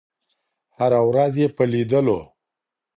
هره ورځ یې په لېدلو